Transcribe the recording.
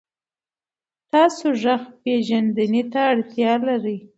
تاسو غږ پېژندنې ته اړتیا لرئ.